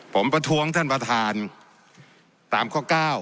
ผมประท้วงท่านประธานตามข้อ๙